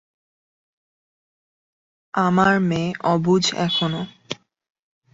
আমার মেয়ে অবুঝ এখনো।